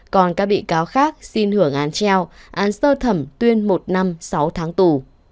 còn các bị cáo khác xin hưởng án treo án sơ thẩm tuyên một năm sáu tháng tù